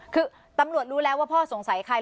คือตำรวจรู้แล้วว่าพ่อสงสัยใคร